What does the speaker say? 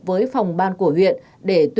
với phòng ban của huyện để tuyên truyền tài sản